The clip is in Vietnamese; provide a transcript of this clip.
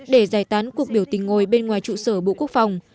để giải tán cuộc biểu tình ngồi bên ngoài trụ sở bộ quốc phòng